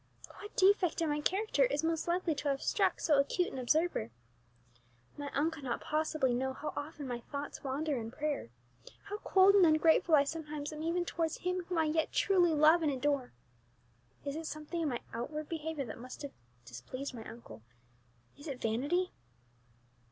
What defect in my character is most likely to have struck so acute an observer? My uncle cannot possibly know how often my thoughts wander in prayer; how cold and ungrateful I sometimes am even towards Him whom I yet truly love and adore. It is something in my outward behaviour that must have displeased my uncle. Is it vanity?"